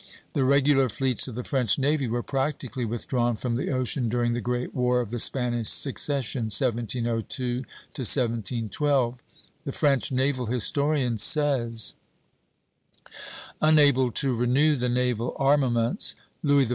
The regular fleets of the French navy were practically withdrawn from the ocean during the great War of the Spanish Succession (1702 1712). The French naval historian says: "Unable to renew the naval armaments, Louis XIV.